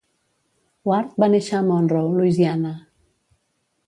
Ward va néixer a Monroe, Louisiana.